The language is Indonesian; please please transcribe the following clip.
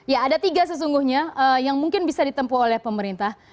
ya ada tiga sesungguhnya yang mungkin bisa ditempu oleh pemerintah